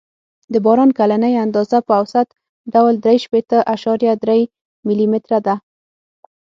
د باران کلنۍ اندازه په اوسط ډول درې شپېته اعشاریه درې ملي متره ده